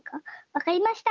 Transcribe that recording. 「わかりました」。